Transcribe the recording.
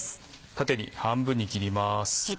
縦に半分に切ります。